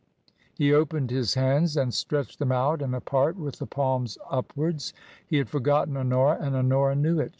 He opened his hands and stretched them out and apart with the palms upwards. He had forgotten Honora, and Honora knew it.